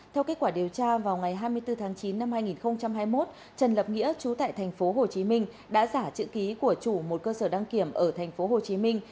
theo kết quả điều tra vào ngày hai mươi bốn tháng chín năm hai nghìn hai mươi một trần lập nghĩa chú tại thành phố hồ chí minh đã giả chữ ký của chủ một cơ sở đăng kiểm ở thành phố hồ chí minh